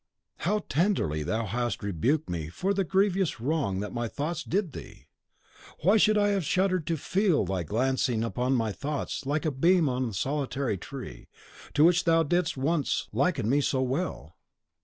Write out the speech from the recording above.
"How tenderly thou hast rebuked me for the grievous wrong that my thoughts did thee! Why should I have shuddered to feel thee glancing upon my thoughts like the beam on the solitary tree, to which thou didst once liken me so well?